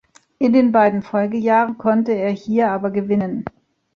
In den beiden Folgejahren konnte er hier aber gewinnen.